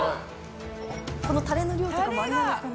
このタレの量とかもあれなんですかね？